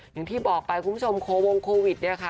อย่างที่บอกไปคุณผู้ชมโควงโควิดเนี่ยค่ะ